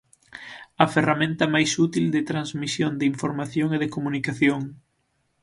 A ferramenta máis útil de transmisión de información e de comunicación.